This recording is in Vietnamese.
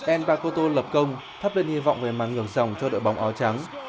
el pacoto lập công thắp lên hy vọng về màn ngược dòng cho đội bóng áo trắng